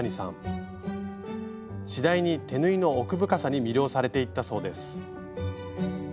次第に手縫いの奥深さに魅了されていったそうです。